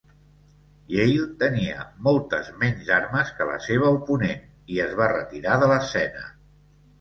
"Yale" tenia moltes menys armes que la seva oponent i es va retirar de l'escena.